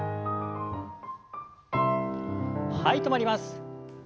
はい止まります。